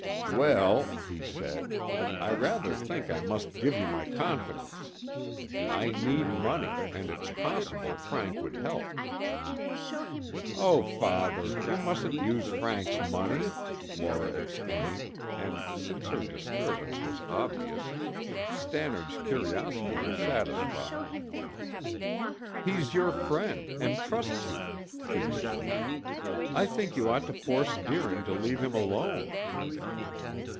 "Well," he said, "I rather think I must give you my confidence. I need money and it's possible Frank would help." "Oh, Father, you mustn't use Frank's money!" Laura exclaimed and, since her disturbance was obvious, Stannard's curiosity was satisfied. "He's your friend and trusts you," she resumed. "I think you ought to force Deering to leave him alone."